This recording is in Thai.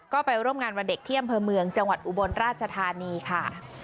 ก็ไปร่วมงานวันเด็กที่อำเภอเมืองจังหวัดอุบลราชธานีค่ะ